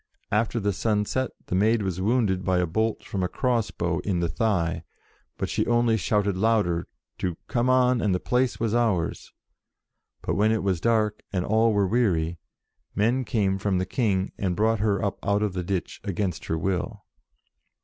After the sun set, the Maid was wounded by a bolt from a cross bow in the thigh, but she only shouted louder to 'come on and the place was ours.' But when it was dark and all were weary, men came from the King and brought her up out of the ditch against her will."